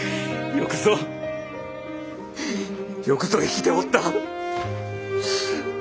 よくぞよくぞ生きておった！